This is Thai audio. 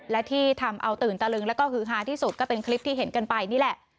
และที่ทำเอาตื่นตะลึงแล้วก็ฮือฮาที่สุดก็เป็นคลิปที่เห็นกันไปนี่แหละ